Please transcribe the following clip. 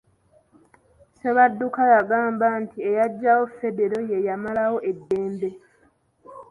Ssebadduka yagamba nti eyaggyawo ffedero ye yamalawo eddembe.